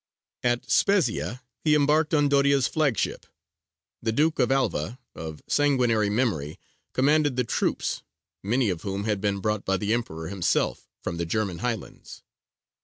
At Spezzia he embarked on Doria's flagship; the Duke of Alva, of sanguinary memory, commanded the troops, many of whom had been brought by the Emperor himself from the German highlands.